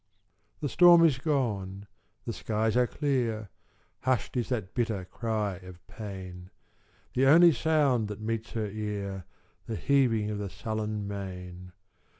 The storm is gone: the skies are clear: Hush'd is that bitter cry of pain: The only sound, that meets her ear, The heaving of the sullen main.